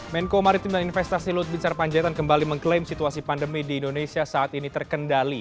menko maritim dan investasi luhut bin sarpanjaitan kembali mengklaim situasi pandemi di indonesia saat ini terkendali